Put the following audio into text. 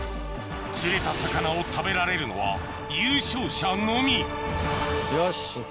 釣れた魚を食べられるのは優勝者のみよしじゃ頑張るぞ！